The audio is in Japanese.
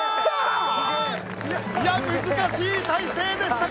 いや難しい体勢でしたが。